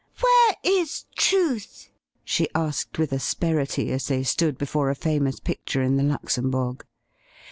' Where is truth ?' she asked with asperity, as they stood! before a famous picture in the Luxembourg.